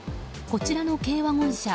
こちらの軽ワゴン車。